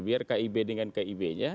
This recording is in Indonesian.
biar kib dengan kib nya